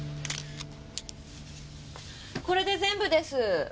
これで全部です。